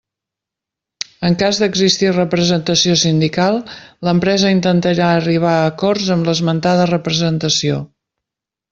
En cas d'existir representació sindical, l'empresa intentarà arribar a acords amb l'esmentada representació.